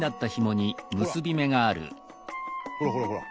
ほらほらほらほら。